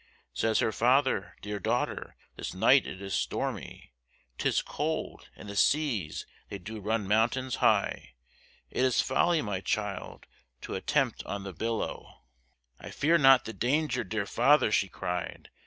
Says her father, dear daughter, this night it is stormy, 'Tis cold, and the seas they do run mountains high, It is folly my child to attempt on the billow, I fear not the danger, dear father, she cried!